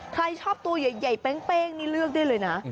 ใครชอบตัวใหญ่เป้งนี่เลือกได้เลยนะ